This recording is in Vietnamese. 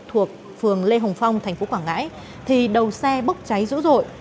thuộc phường lê hồng phong thành phố quảng ngãi thì đầu xe bốc cháy dữ dội